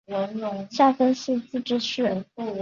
下分四自治市。